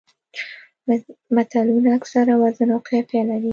متلونه اکثره وزن او قافیه لري